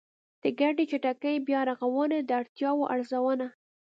د ګډې چټکې بيا رغونې د اړتیاوو ارزونه